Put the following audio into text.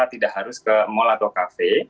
tidak harus ke mall atau cafe